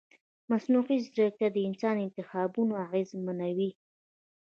مصنوعي ځیرکتیا د انسان انتخابونه اغېزمنوي.